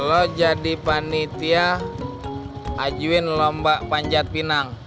lo jadi panitia ajuin lomba panjat pinang